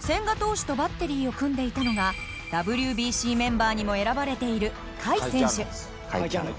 千賀投手とバッテリーを組んでいたのがＷＢＣメンバーにも選ばれている甲斐選手。